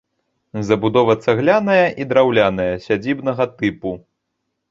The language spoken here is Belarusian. Забудова цагляная і драўляная, сядзібнага тыпу.